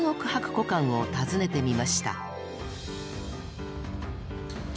古館を訪ねてみました。